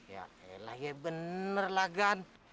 ya elah ya bener lah gan